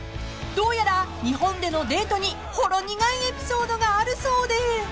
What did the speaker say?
［どうやら日本でのデートにほろ苦いエピソードがあるそうで］